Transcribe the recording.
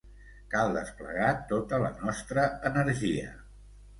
Cal desplegar tota la nostra energia.